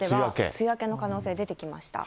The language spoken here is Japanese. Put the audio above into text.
梅雨明けの可能性出てきました。